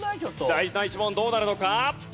大事な１問どうなるのか？